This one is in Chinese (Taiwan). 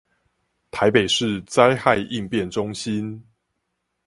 台北市災害應變中心